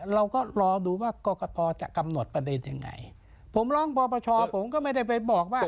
เราก็รอดูว่ากรกตจะกำหนดประเด็นยังไงผมร้องปปชผมก็ไม่ได้ไปบอกว่า